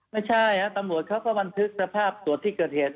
ไม่ใช่ตำรวจเขาก็บันทึกสภาพตรวจที่เกิดเหตุ